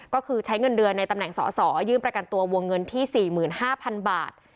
ก็คือใช้เงินเดือนในตำแหน่งสอสอยืมประกันตัววงเงินที่สี่หมื่นห้าพันบาท